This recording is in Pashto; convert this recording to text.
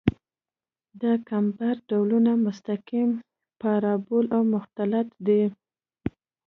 د کمبر ډولونه مستقیم، پارابول او مختلط دي